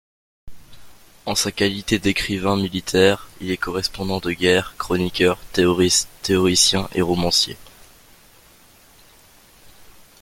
En sa qualité d’écrivain militaire, il est correspondant de guerre, chroniqueur, théoricien et romancier.